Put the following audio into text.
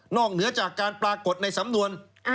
เหนือจากการปรากฏในสำนวน